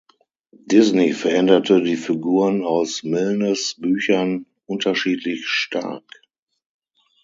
Disney veränderte die Figuren aus Milnes Büchern unterschiedlich stark.